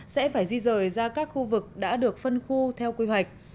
sẽ phải di rời ra các khu vực đã được phân khu theo quy hoạch